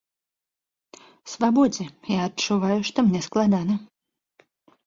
Свабодзе, я адчуваю, што мне складана.